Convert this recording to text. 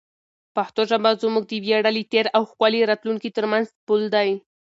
پښتو ژبه زموږ د ویاړلي تېر او ښکلي راتلونکي ترمنځ پل دی.